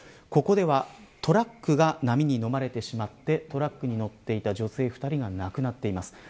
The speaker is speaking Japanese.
ここではトラックが波にのまれてしまって乗っていた女性２人が亡くなっています。